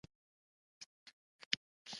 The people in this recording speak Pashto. مصنوعي ځیرکتیا د شعور پوښتنه ژوره کوي.